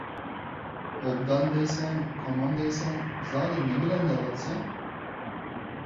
«ئوبدان» دەيسەن، «تامام» دەيسەن، زادى نېمىلەرنى دەۋاتىسەن؟